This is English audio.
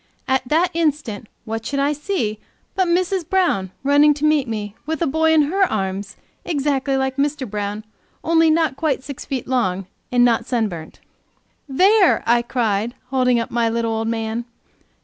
At that instant what should I see but Mrs. Brown, running to meet me with a boy in her arms exactly like Mr. Brown, only not quite six feet long, and not sunburnt. "There!" I cried, holding up my little old man.